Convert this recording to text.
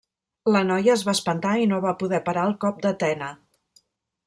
La noia es va espantar i no va poder parar el cop d'Atena.